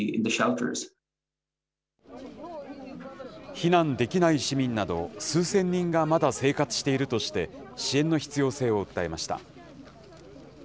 避難できない市民など数千人がまだ生活しているとして、支援の必要性を訴えました。